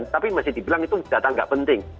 tapi masih dibilang itu data nggak penting